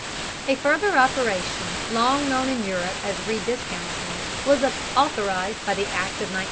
A further operation, long known in Europe as rediscounting, was authorized by the Act of 1913.